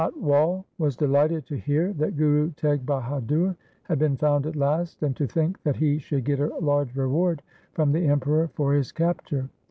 The Kotwal was delighted to hear that Guru Teg Bahadur had been found at last, and to think that he should get a large reward from the Emperor for his capture.